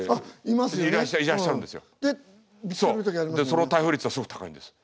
その逮捕率はすごく高いんです。